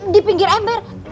di pinggir ember